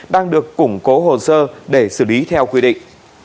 đang được củng cố hồ sơ để xử lý theo quy định